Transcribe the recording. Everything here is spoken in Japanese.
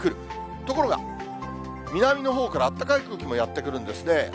ところが、南のほうからあったかい空気もやって来るんですね。